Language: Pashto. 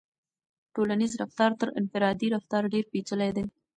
ټولنیز رفتار تر انفرادي رفتار ډېر پیچلی دی.